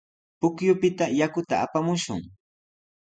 Pukyupita yakuta apamushun.